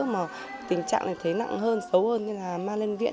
mà tình trạng này thấy nặng hơn xấu hơn nên là mang lên viện